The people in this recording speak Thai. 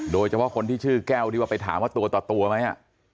โดยเฉพาะคนที่ชื่อแก้วที่ว่าไปถามว่าตัวต่อตัวไหม